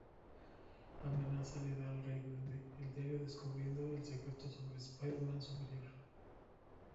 Amenaza le da al Rey Duende el diario, descubriendo el secreto sobre Spider-Man Superior.